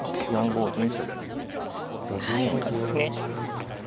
４五銀とぶつけた変化ですね。